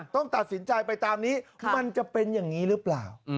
ต้องตัดสินใจไปตามนี้มันจะเป็นอย่างนี้หรือเปล่า